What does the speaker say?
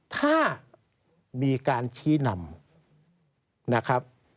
ถ้ามีการชี้นำนะครับ